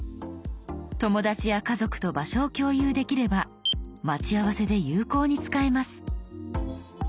友達や家族と場所を共有できれば待ち合わせで有効に使えます。